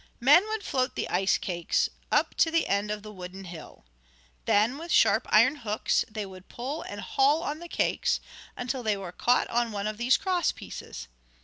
Men would float the ice cakes up to the end of the wooden hill. Then, with sharp iron hooks, they would pull and haul on the cakes until they were caught on one of these cross pieces.